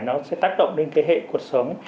nó sẽ tác động đến hệ cuộc sống